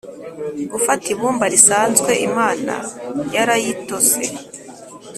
gufata ibumba risanzwe, imana yarayitose